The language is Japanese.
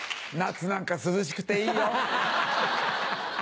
夏なんか涼しくていいよ！